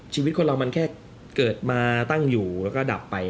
ชีวิตคนเรามันแค่เกิดมาตั้งอยู่แล้วก็ดับไป